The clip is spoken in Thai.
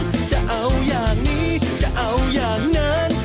ดูแล้วคงไม่รอดเพราะเราคู่กัน